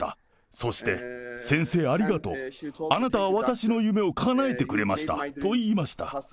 そして、先生ありがとう、あなたは私の夢をかなえてくれましたと言いました。